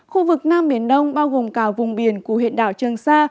khu vực nam biển đông bao gồm cả vùng biển của huyện đảo trường sa